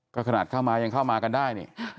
ก็ขนาดเข้ามายังเข้ามากันได้นี่